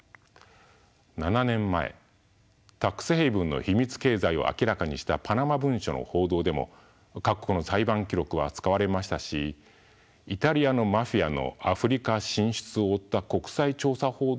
７年前タックスヘイブンの秘密経済を明らかにしたパナマ文書の報道でも各国の裁判記録は使われましたしイタリアのマフィアのアフリカ進出を追った国際調査報道でも使われました。